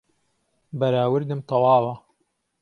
بەراوردم تەواوە